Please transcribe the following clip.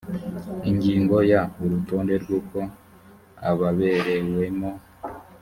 ingingo ya urutonde rw uko ababerewemo